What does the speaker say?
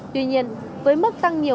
tuy nhiên với mức tăng nhiều